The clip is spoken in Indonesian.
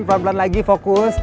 pelan pelan lagi fokus